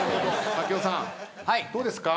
槙尾さんどうですか？